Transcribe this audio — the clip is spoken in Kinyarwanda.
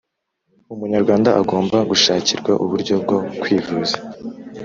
Umunyarwanda agomba gushakirwa uburyo bwo kwivuza